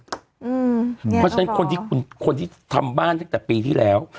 เพราะฉะนั้นคนที่ทำบ้านตั้งแต่ปีที่แล้ว